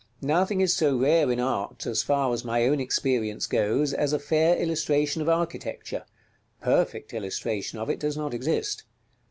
Nothing is so rare in art, as far as my own experience goes, as a fair illustration of architecture; perfect illustration of it does not exist.